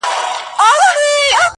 • په عمر د پښتو ژبي یو شاعر -